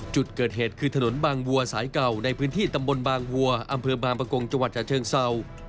จุดเกิดเหตุคือถนนบางวัวสายเก่าในพื้นที่ตำบลบางวัวอำเภอบางประกงจังหวัดฉะเชิงเศร้า